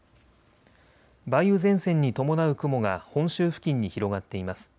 梅雨前線に伴う雲が本州付近に広がっています。